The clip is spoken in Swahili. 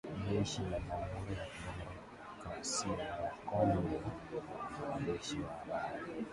jeshi la jamhuri ya kidemokrasia ya Kongo kwa waandishi wa habari